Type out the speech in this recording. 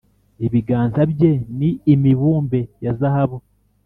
Ibiganza bye ni imibumbe ya zahabu,